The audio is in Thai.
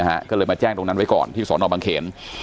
ก็เลยมาแจ้งตรงนั้นไว้ก่อนที่สอนอบังเขน